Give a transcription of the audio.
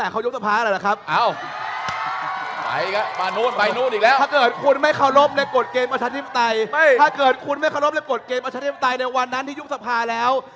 ถ้าเกิดคุณไม่ขอบเรียกผลเกณฑ์พระชาธิปไตรในวันนั้นที่ยุทธภาพแล้ว